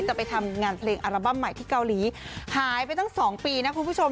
ไปทำงานเพลงอัลบั้มใหม่ที่เกาหลีหายไปตั้งสองปีนะคุณผู้ชม